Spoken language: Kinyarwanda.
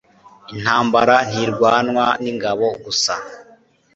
intambara ntirwanwa n'ingabo gusa